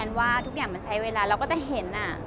ว่าทุกอย่างมันใช้เวลาเราก็จะเห็น